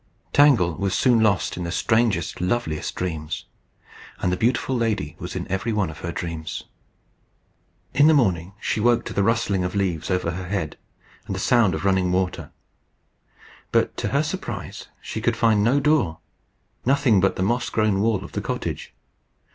Tangle was soon lost in the strangest, loveliest dreams. And the beautiful lady was in every one of her dreams. In the morning she woke to the rustling of leaves over her head, and the sound of running water. But, to her surprise, she could find no door nothing but the moss grown wall of the cottage.